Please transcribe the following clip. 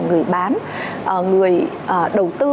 người bán người đầu tư